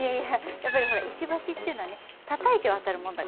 やっぱりほら石橋っていうのはねたたいて渡るもんだからね。